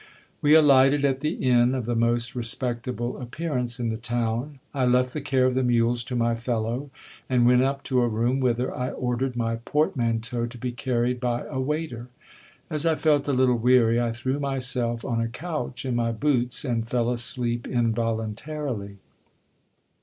We alighted at the inn of the most respectable appearance in the town. I left the care of the mules to my fellow, and went up to a room whither I ordered my portmanteau to be carried by a waiter. As I felt a little weary, I threw myself on a couch in my boots, and fell asleep involuntarily.